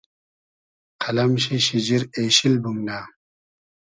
قئلئم شی شیجیر اېشیل بومنۂ